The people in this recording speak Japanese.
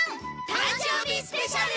誕生日スペシャル！